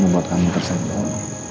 membuat kamu tersenyum